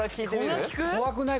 怖くない？